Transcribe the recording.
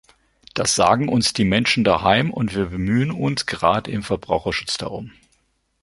Das sagen uns die Menschen daheim, und wir bemühen uns gerade im Verbraucherschutz darum.